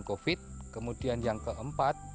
covid kemudian yang keempat